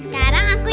sekarang aku ya